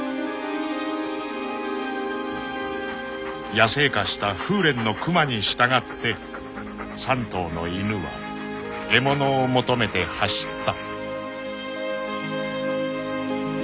［野生化した風連のクマに従って３頭の犬は獲物を求めて走った］